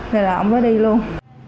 thế là ông mới đi luôn